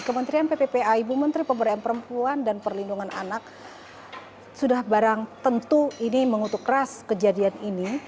kementerian pppa ibu menteri pemberdayaan perempuan dan perlindungan anak sudah barang tentu ini mengutuk keras kejadian ini